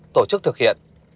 bảy tổ chức thực hiện